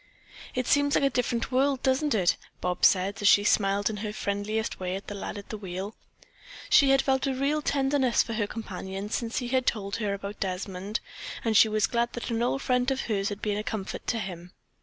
"It seems like a different world, doesn't it?" Bobs said, as she smiled in her friendliest way at the lad at the wheel. She had felt a real tenderness for her companion since he had told her about Desmond, and she was glad that an old friend of hers had been a comfort to him.